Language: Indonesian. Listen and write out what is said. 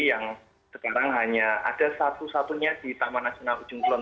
yang sekarang hanya ada satu satunya di taman nasional ujung kulon